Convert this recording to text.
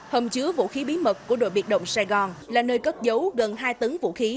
hầm chứa vũ khí bí mật của đội biệt động sài gòn là nơi cất dấu gần hai tấn vũ khí